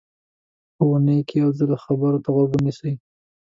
په اوونۍ کې یو ځل خبرو ته غوږ نیسي.